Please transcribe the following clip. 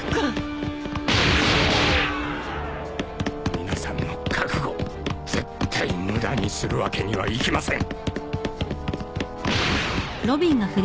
皆さんの覚悟を絶対無駄にするわけにはいきません。